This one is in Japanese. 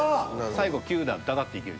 最後９段ダダッていける。